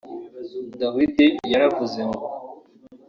Dawidi yaravuze ngo